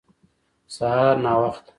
سهار ناوخته